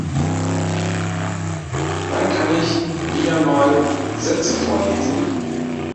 Wann kann ich wieder mal Sätze vorlesen?